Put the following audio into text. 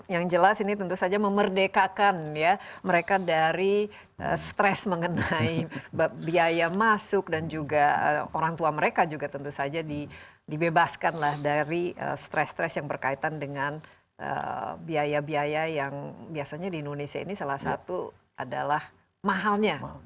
yang jelas ini tentu saja memerdekakan mereka dari stres mengenai biaya masuk dan juga orang tua mereka juga tentu saja dibebaskan dari stres stres yang berkaitan dengan biaya biaya yang biasanya di indonesia ini salah satu adalah mahalnya